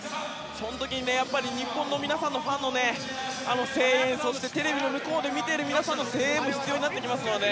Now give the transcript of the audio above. その時に日本のファンの皆さんの声援そしてテレビの向こうで見ている皆さんの声援も必要になりますので。